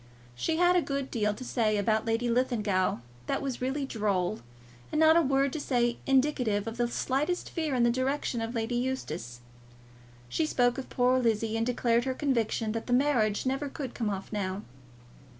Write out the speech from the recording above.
She had a good deal to say about Lady Linlithgow that was really droll, and not a word to say indicative of the slightest fear in the direction of Lady Eustace. She spoke of poor Lizzie, and declared her conviction that that marriage never could come off now.